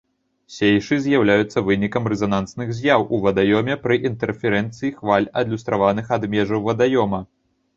Сейшы з'яўляюцца вынікам рэзанансных з'яў у вадаёме пры інтэрферэнцыі хваль, адлюстраваных ад межаў вадаёма.